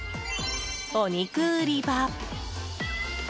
お肉売り場。